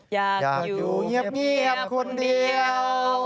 อยากจะอยู่เงียบคนเดียว